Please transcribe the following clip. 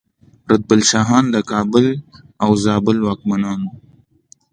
رتبیل شاهان د کابل او زابل واکمنان وو